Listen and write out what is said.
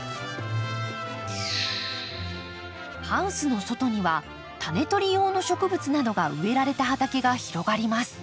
ハウスの外にはタネとり用の植物などが植えられた畑が広がります。